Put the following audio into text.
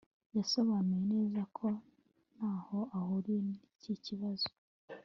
yasobanuye neza ko ntaho ahuriye n'iki kibazo